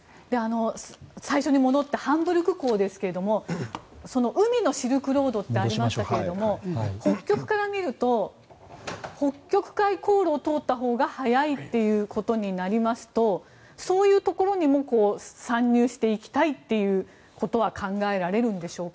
最初に戻ってハンブルク港ですが海のシルクロードってありましたけども北極から見ると北極海航路を通ったほうが早いということになりますとそういうところにも参入していきたいということは考えられるんでしょうか？